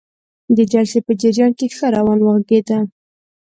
د جلسې په جریان کې ښه روان وغږیده.